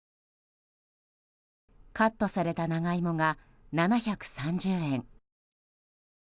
カットされた長芋が７３０円。